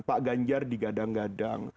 pak ganjar digadang gadang